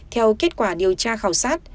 theo kết quả điều tra khảo sát